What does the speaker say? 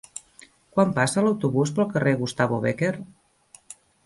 Quan passa l'autobús pel carrer Gustavo Bécquer?